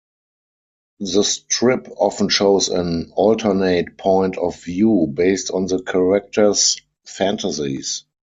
The strip often shows an alternate point of view based on the characters' fantasies.